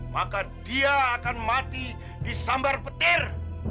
maka dia akan mati di sambar petir